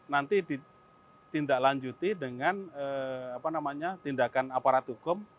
nanti ditindaklanjuti dengan tindakan aparat hukum